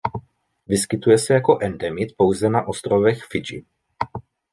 Vyskytuje se jako endemit pouze na ostrovech Fidži.